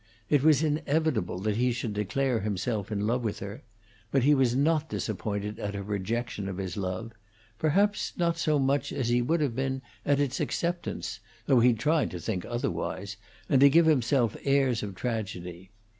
It was inevitable that he should declare himself in love with her; but he was not disappointed at her rejection of his love; perhaps not so much as he would have been at its acceptance, though he tried to think otherwise, and to give himself airs of tragedy.